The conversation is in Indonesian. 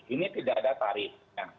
ini tidak ada tarif